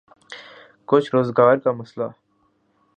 کچھ روزگار کا مسئلہ۔